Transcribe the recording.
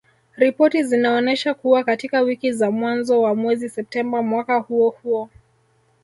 Ripoti zinaonesha kuwa katika wiki za mwanzo wa mwezi Septemba mwaka huo huo